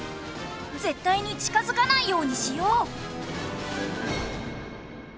絶対に近づかないようにしよう。